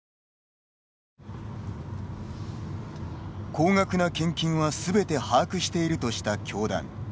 高額な献金はすべて把握しているとした教団。